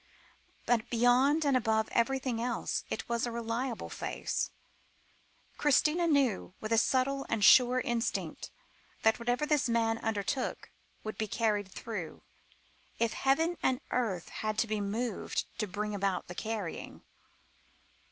But beyond and above everything else, it was a reliable face: Christina knew, with a subtle and sure instinct, that whatever this man undertook, would be carried through, if heaven and earth had to be moved to bring about the carrying.